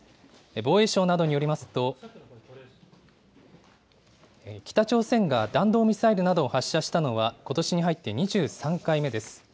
防衛省などによりますと、北朝鮮が弾道ミサイルなどを発射したのはことしに入って２３回目です。